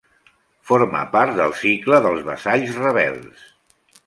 Forma part del cicle dels vassalls rebels.